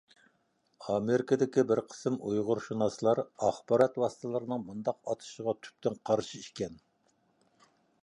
ئامېرىكىدىكى بىر قىسىم ئۇيغۇرشۇناسلار ئاخبارات ۋاسىتىلىرىنىڭ بۇنداق ئاتىشىغا تۈپتىن قارشى ئىكەن.